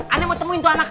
ane mau temuin tuh anak